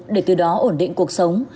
để từ đó ổn định cuộc sống